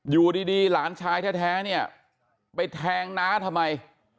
อยู่ดีหลานชายแท้เนี่ยไปแทงน้าทำไม